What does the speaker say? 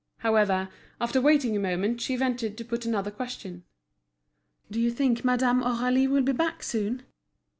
However, after waiting a moment, she ventured to put another question: "Do you think Madame Aurélie will be back soon?"